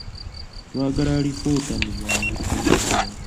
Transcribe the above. Twagala alipoota mu bwangu ddala.